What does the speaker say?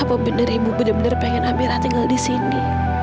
apa bener ibu bener bener pengen amira tinggal disini